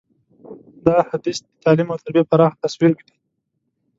دا حدیث د تعلیم او تربیې پراخه تصویر ږدي.